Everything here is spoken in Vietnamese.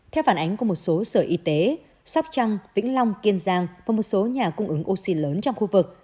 theo phản ánh của một số sở y tế sóc trăng vĩnh long kiên giang và một số nhà cung ứng oxy lớn trong khu vực